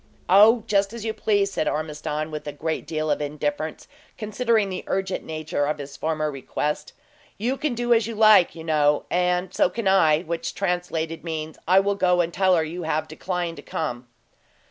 "Oh, just as you please," said Ormiston, with a great deal of indifference, considering the urgent nature of his former request. "You can do as you like, you know, and so can I which translated, means, I will go and tell her you have declined to come."